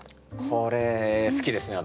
これ好きですね